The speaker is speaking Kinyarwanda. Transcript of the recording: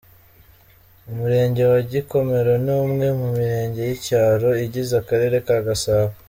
Umurenge wa Gikomero, ni umwe mu Mirenge y’icyaro igize Akarere ka Gasabo.